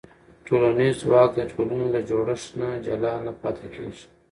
ټولنیز ځواک د ټولنې له جوړښت نه جلا نه پاتې کېږي.